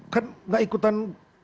kan gak ikutan